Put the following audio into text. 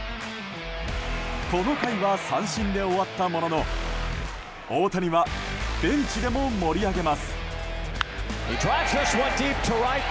この回は三振で終わったものの大谷はベンチでも盛り上げます。